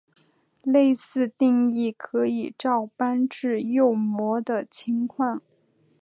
类似定义可以照搬至右模的情况。